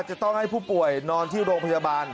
จะต้องให้ผู้ป่วยนอนที่โรงพยาบาล